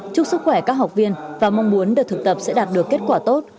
chúc sức khỏe các học viên và mong muốn đợt thực tập sẽ đạt được kết quả tốt